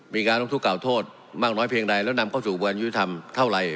มีการร้องทุกข่าโทษมากน้อยเพียงใดแล้วนำเข้าสู่วันยุทธรรมเท่าไหร่